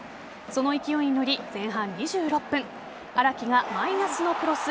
その勢いに乗り前半２６分荒木がマイナスのクロス